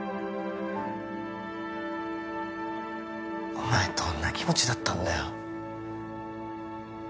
お前どんな気持ちだったんだよ